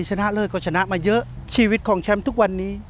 ชนะเลิศก็ชนะมาเยอะชีวิตของแชมป์ทุกวันนี้